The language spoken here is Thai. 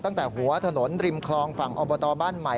ตั้งแต่หัวถนนริมคลองฝั่งอบตบ้านใหม่